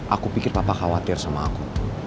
aku pikir papa khawatir sama aku